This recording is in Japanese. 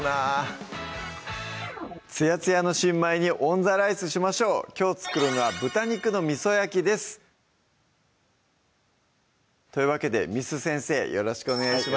つやつやの新米にオンザライスしましょうきょう作るのは「豚肉の味焼き」ですというわけで簾先生よろしくお願いします